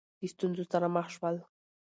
د ستونزو سره مخ شول